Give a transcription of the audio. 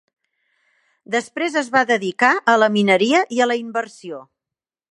Després es va dedicar a la mineria i a la inversió.